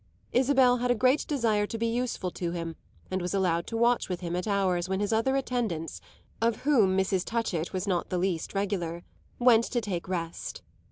Isabel had a great desire to be useful to him and was allowed to watch with him at hours when his other attendants (of whom Mrs. Touchett was not the least regular) went to take rest.